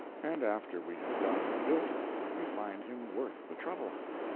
And after we have got him built, we find him worth the trouble.